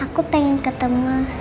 aku pengen ketemu